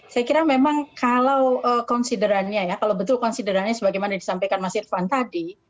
saya kira memang kalau betul konsiderannya sebagaimana disampaikan mas irvan tadi